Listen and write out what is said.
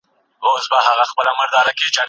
د سازمانونو هڅې د سولې لپاره ګډې دي.